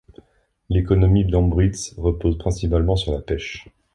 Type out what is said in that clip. L'économie d'Ambriz repose principalement sur la pêche.